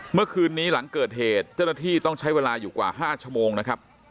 เมื่อคืนนี้หลังเกิดเหตุเจ้าหน้าที่ต้องใช้เวลาอยู่กว่า๕ชั่วโมงนะครับ